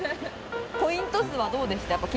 コイントスはどうでした？